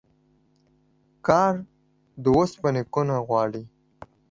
کار د اوسپني کونه غواړي.